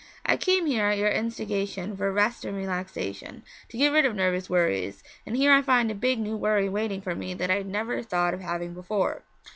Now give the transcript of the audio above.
'I came here at your instigation for rest and relaxation to get rid of nervous worries, and here I find a big new worry waiting for me that I'd never thought of having before.